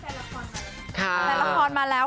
นี่คือตอนแฟนละคร